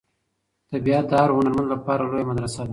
طبیعت د هر هنرمند لپاره لویه مدرسه ده.